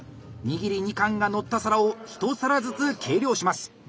握り２貫がのった皿を１皿ずつ計量します。